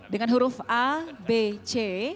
dengan huruf a b c